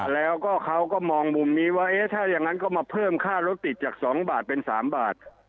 แล้วก็เขาก็มองมุมนี้ว่าถ้าอย่างนั้นก็มาเพิ่มค่ารถติดจาก๒บาทเป็น๓บาท